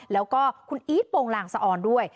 แล้วก็คุณอีทโปรงลางสะออนด้วย